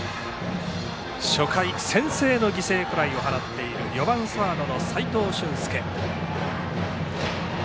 初回先制の犠牲フライを放っている４番サードの齋藤舜介。